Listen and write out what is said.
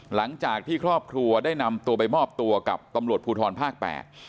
หลังจากที่ครอบครัวได้นำตัวไปมอบตัวกับตำรวจภูทรภาคแปด